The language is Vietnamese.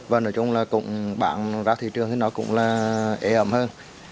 và nói chung là cũng bán ra thị trường thì nó cũng là ế ẩm hơn